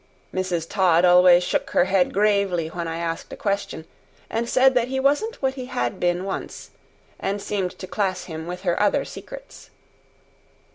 Mrs. Todd always shook her head gravely when I asked a question, and said that he wasn't what he had been once, and seemed to class him with her other secrets.